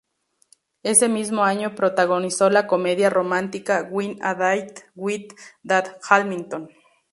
Ese mismo año, protagonizó la comedia romántica "Win a Date with Tad Hamilton!